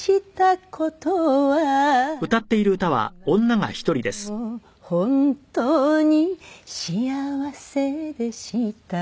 「今でも本当に幸せでした」